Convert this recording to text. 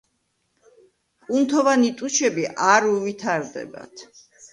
კუნთოვანი ტუჩები არ უვითარდებათ.